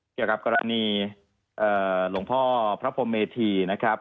เกี่ยวกับกรณีหลวงพ่อพระพรมเมธีนะครับ